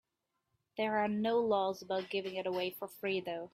There are no laws about giving it away for free, though.